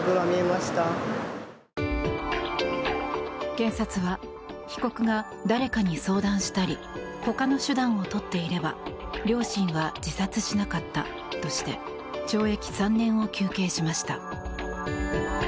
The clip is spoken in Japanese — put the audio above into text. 検察は被告が誰かに相談したりほかの手段を取っていれば両親は自殺しなかったとして懲役３年を求刑しました。